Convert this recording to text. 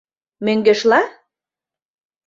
— Мӧҥгешла?